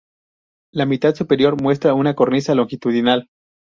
La mitad superior muestra una cornisa longitudinal.